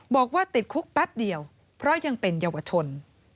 บอกว่าติดคุกแป๊บเดียวเพราะยังเป็นเยาวชน